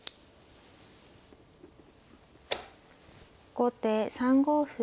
後手３五歩。